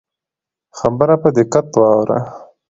خبره په دقت واوره.